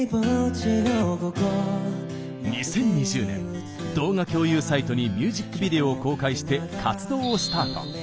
２０２０年、動画共有サイトにミュージックビデオを公開して活動をスタート。